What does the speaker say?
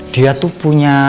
dia tuh punya